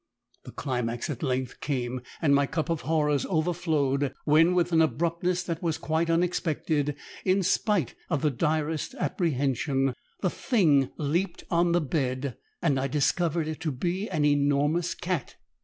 The climax at length came, and my cup of horrors overflowed, when, with an abruptness that was quite unexpected (in spite of the direst apprehension), the Thing leaped on the bed, and I discovered it to be an enormous CAT.